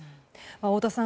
太田さん